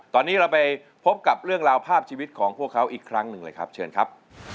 ตอนนี้เราไปพบกับเรื่องราวภาพชีวิตของพวกเขาอีกครั้งหนึ่งเลยครับเชิญครับ